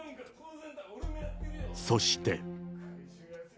そして。